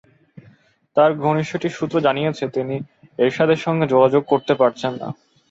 তাঁর ঘনিষ্ঠ একটি সূত্র জানিয়েছে, তিনি এরশাদের সঙ্গে যোগাযোগ করতে পারছেন না।